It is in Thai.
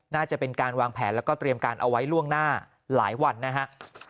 น่าจะเป็นการวางแผนแล้วก็เตรียมการเอาไว้ล่วงหน้าหลายวันนะฮะ